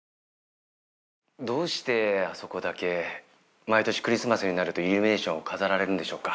どうしてあそこだけ毎年クリスマスになるとイルミネーションを飾られるんでしょうか？